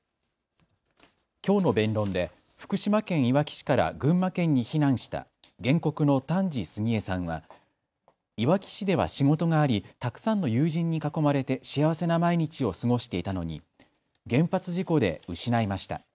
きょうの弁論で福島県いわき市から群馬県に避難した原告の丹治杉江さんは、いわき市では仕事があり、たくさんの友人に囲まれて幸せな毎日を過ごしていたのに原発事故で失いました。